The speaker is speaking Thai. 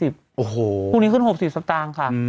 พรุ่งนี้ขึ้น๖๐บาทสัปดาห์ค่ะ